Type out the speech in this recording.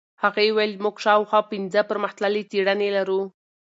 هغې وویل موږ شاوخوا پنځه پرمختللې څېړنې لرو.